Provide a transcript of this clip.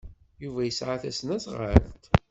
Yuba yesɛa tasnasɣalt?